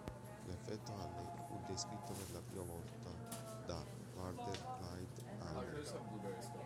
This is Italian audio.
L"'effetto Allee" fu descritto per la prima volta da Warder Clyde Allee.